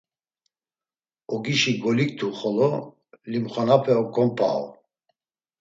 Ogişi goliktu xolo, limxonape oǩompau.